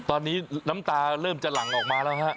ตอนนี้น้ำตาเริ่มจะหลั่งออกมาแล้วฮะ